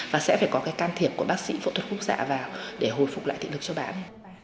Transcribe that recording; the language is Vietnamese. và sẽ phải có cái can thiệp của bác sĩ phẫu thuật khúc dạ vào để hồi phục lại thị lực cho bạn